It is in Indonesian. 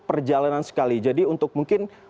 perjalanan sekali jadi untuk mungkin